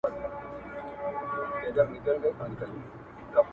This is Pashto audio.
اوپر هر میدان کامیابه پر دښمن سې!.